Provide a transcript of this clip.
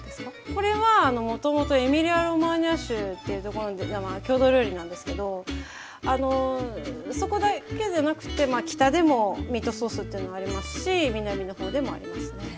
これはもともとエミリア・ロマーニャ州というところの郷土料理なんですけどそこだけじゃなくて北でもミートソースというのはありますし南の方でもありますね。